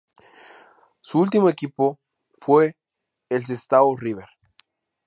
Su último equipo fue el Sestao River.